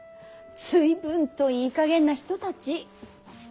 随分といいかげんな人たち。